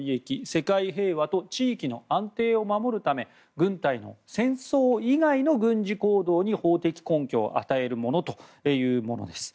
世界平和と地域の安定を守るため軍隊の戦争以外の軍事行動に法的根拠を与えるものというものです。